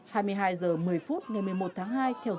hai mươi hai h một mươi ngày một mươi một tháng hai